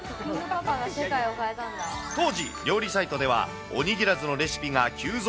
当時、料理サイトでは、おにぎらずのレシピが急増。